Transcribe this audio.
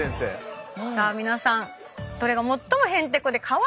さあ皆さんどれが最もへんてこでカワイイか？